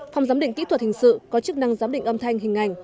phòng giám định kỹ thuật hình sự có chức năng giám định âm thanh hình ảnh